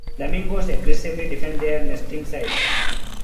Flamingos aggressively defend their nesting sites.